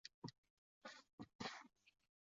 三泽上町车站的铁路车站。